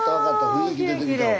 雰囲気出てきたわ。